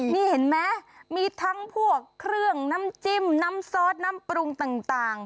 นี่เห็นไหมมีทั้งพวกเครื่องน้ำจิ้มน้ำซอสน้ำปรุงต่าง